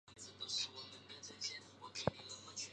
此说法已经逐渐没落。